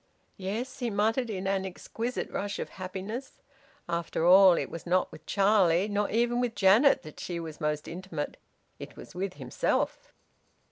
"Yes!" he muttered, in an exquisite rush of happiness. After all, it was not with Charlie, nor even with Janet, that she was most intimate; it was with himself!